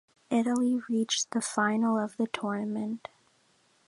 Italy reached the final of the tournament.